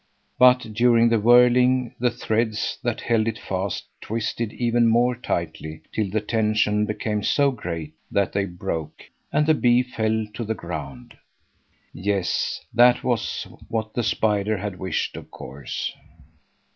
But during the whirling the threads that held it fast twisted ever more tightly, till the tension became so great that they broke, and the bee fell to the ground. Yes, that was what the spider had wished, of course.